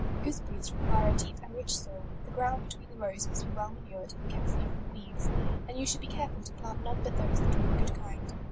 • Gooseberries require a deep and rich soil. The ground between the rows must be well manured, and kept free from weeds, and you should be careful to plant none but those that are of a good kind.